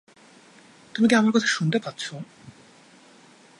তুমি কি আমার কথা শুনতে পাচ্ছে?